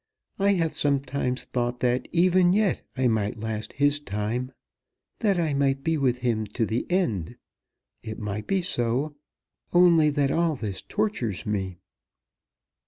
I have sometimes thought that even yet I might last his time that I might be with him to the end. It might be so, only that all this tortures me."